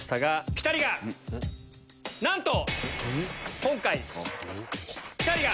ピタリがなんと！